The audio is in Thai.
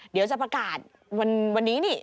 เดี๋ยวจะประกาศวันนี้นี่